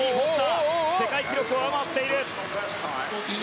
世界記録を上回っている。